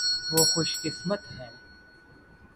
وہ خوش قسمت ہیں۔